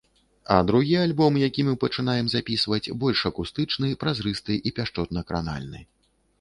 А другі альбом, які мы пачынаем запісваць, больш акустычны, празрысты і пяшчотна-кранальны.